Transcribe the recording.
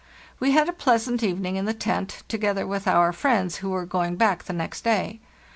We had a pleasant evening in the tent, to gether with our friends who were going back the next day.